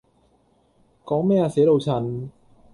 講咩呀死老襯?